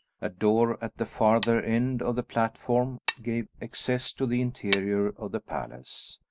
A door at the farther end of the platform gave access to the interior of the palace.